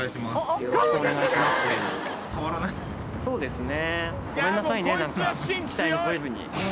そうですね。